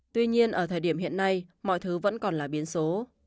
tuy nhiên ở thời điểm hiện nay mọi thứ vẫn còn là biển số